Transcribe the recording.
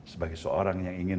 sebagai seorang yang ingin